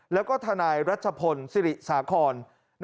แล้วก็ทนายรัชพลศิริสาคร